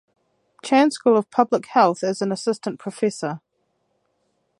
Chan School of Public Health as an Assistant professor.